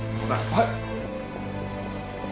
はい！